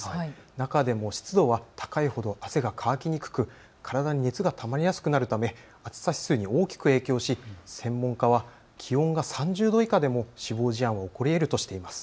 中でも湿度は高いほど汗が乾きにくく体に熱がたまりやすくなるため暑さ指数に大きく影響し専門家は気温が３０度以下でも死亡事案は起こりえるとしています。